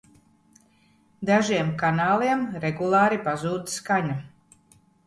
Dažiem kanāliem regulāri pazūd skaņa!